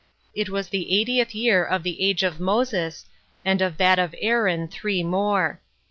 28 It was the eightieth year of the age of Moses, and of that of Aaron three more.